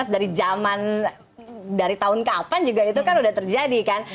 dari zaman dari tahun kapan juga itu kan udah terjadi kan